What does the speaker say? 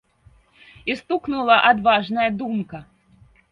І стукнула адважная думка.